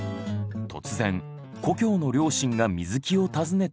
突然故郷の両親が水木を訪ねてきた。